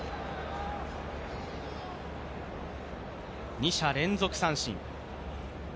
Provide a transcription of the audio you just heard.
２者連続三振。